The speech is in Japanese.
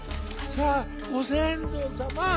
さぁご先祖様！